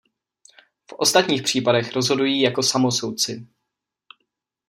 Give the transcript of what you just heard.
V ostatních případech rozhodují jako samosoudci.